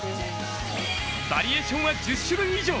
バリエーションは１０種類以上。